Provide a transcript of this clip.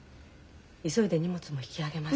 急いで荷物も引き揚げます。